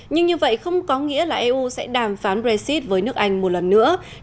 nhưng như vậy không có nghĩa là eu sẽ đàm phán brexit với nước anh một lần nữa